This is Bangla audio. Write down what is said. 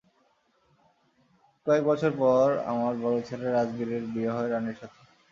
কয়েক বছর পর আমার বড় ছেলে রাজবীরের বিয়ে হয় রাণীর সাথে।